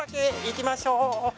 行きましょう！